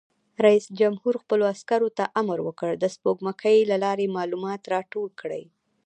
رئیس جمهور خپلو عسکرو ته امر وکړ؛ د سپوږمکۍ له لارې معلومات راټول کړئ!